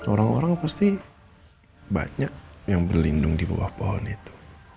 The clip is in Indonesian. orang orang pasti banyak yang berlindung di bawah pohon itu